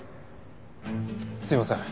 すいません。